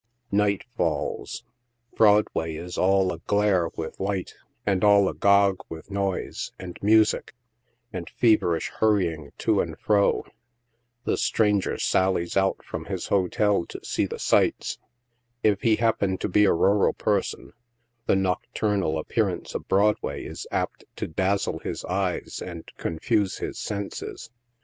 Night falls ; Broadway is all aglare with light, and all agog with noise, and music, and feverish hurrying to and fro ; the stranger sallies out from his hotel to see the sights ; if he happen to be a rural person, the nocturnal appearance of Broad way is apt to dazzle his eyes and confuse his senses.